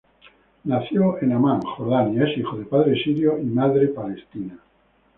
Nacido en Amán, Jordania, es hijo de padre sirio y madre palestina.